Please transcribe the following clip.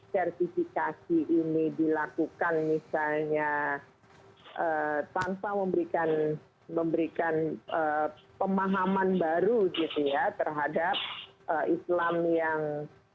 sertifikasi ini dilakukan misalnya tanpa memberikan pahaman baru terhadap islam yang